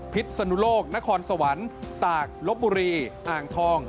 สนุโลกนครสวรรค์ตากลบบุรีอ่างทอง